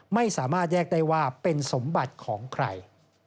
ไม่สามารถแยกได้ว่าเป็นสมบัติของใคร